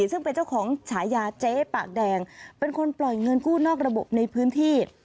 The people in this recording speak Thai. ซึ่งเป็นเจ้าของฉายาเจ๊ปากแดงเป็นคนปล่อยเงินกู้นอกระบบในพื้นที่